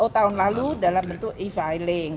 sepuluh tahun lalu dalam bentuk e filing